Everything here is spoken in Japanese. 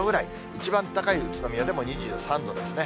一番高い宇都宮でも２３度ですね。